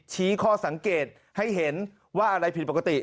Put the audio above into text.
ชี้ข้อสังเกตให้เห็นว่าอะไรผิดปกติ